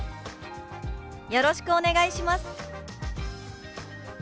「よろしくお願いします」。